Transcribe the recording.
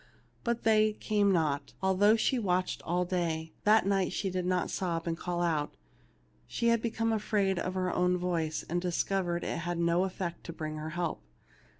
But they came not, although she watched all day. That night she did not sob and call out ; she had be come afraid of her own voice, and discovered that it had no effect to bring her help.